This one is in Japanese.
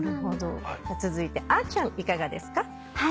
続いてあちゃんいかがですか？